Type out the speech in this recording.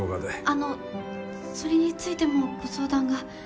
あのそれについてもご相談が。